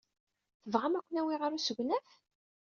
Tebɣam ad ken-awiɣ ɣer usegnaf?